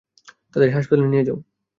তাদের হাসপাতালে নিয়ে যাও!